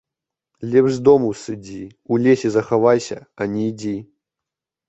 Лепш з дому сыдзі, у лесе захавайся, а не ідзі.